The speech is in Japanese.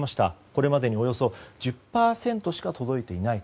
これまでにおよそ１０％しか届いていない。